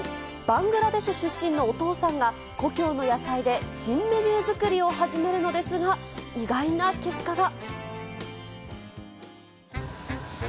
バングラデシュ出身のお父さんが、故郷の野菜で新メニュー作りを始めるのですが、意外な結果が。